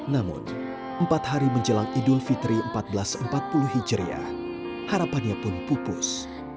namun empat hari menjelang idul fitri seribu empat ratus empat puluh hijriah harapannya pun pupus